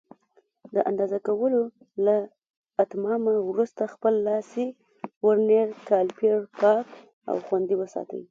د اندازه کولو له اتمامه وروسته خپل لاسي ورنیر کالیپر پاک او خوندي وساتئ.